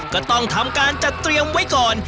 ก็ต้องทำการจัดเตรียมไว้ก่อน